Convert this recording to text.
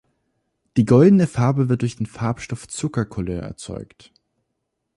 Die goldene Farbe wird durch den Farbstoff Zuckercouleur erzeugt.